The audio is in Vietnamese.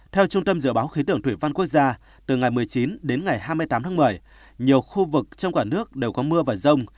theo trung tâm dự báo khí tượng thủy văn quốc gia từ ngày một mươi chín đến ngày hai mươi tám tháng một mươi nhiều khu vực trong cả nước đều có mưa và rông